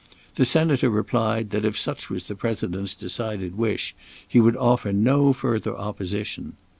The Senator replied that, if such was the President's decided wish, he would offer no further opposition.